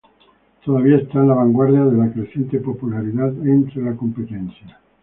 Todavía está en la vanguardia de la creciente popularidad entre la competencia.